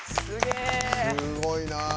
すごいな。